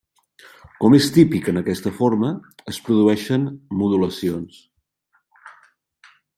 Com és típic en aquesta forma, es produeixen modulacions.